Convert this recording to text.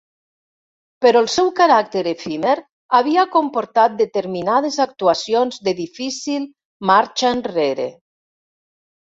Però el seu caràcter efímer havia comportat determinades actuacions de difícil marxa enrere.